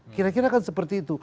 kira kira kan seperti itu